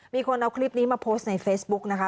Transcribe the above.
มีคนเอาคลิปนี้มาโพสต์ในเฟซบุ๊กนะคะ